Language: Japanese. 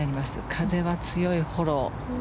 風は強いフォロー。